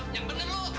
yang bener lo